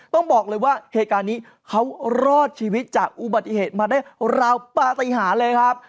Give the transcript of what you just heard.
ต้องบอกเลยว่าเหตุการณ์นี้เขารอดชีวิตจากอุบัติเหตุมาได้ราวปฏิหารเลยครับ